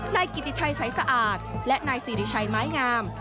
นายกิติชัยสายสะอาดและนายสิริชัยไม้งาม